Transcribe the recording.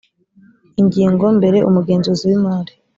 ingingo mbere umugenzuzi w imari